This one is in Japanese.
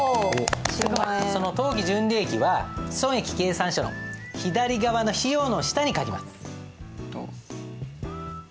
その当期純利益は損益計算書の左側の費用の下に書きます。